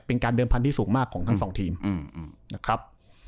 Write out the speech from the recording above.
เป็นการเดิมพันธุ์สูงมากของทั้งสองทีมนะครับ